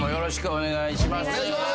お願いします。